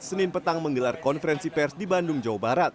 senin petang menggelar konferensi pers di bandung jawa barat